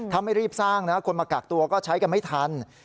ถ้าไม่รีบสร้างนะคนมากักตัวก็ใช้กันไม่ทัน